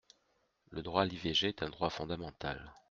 Le droit à l’IVG est un droit fondamental.